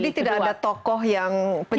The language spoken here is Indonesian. jadi tidak ada tokoh yang bisa dipakai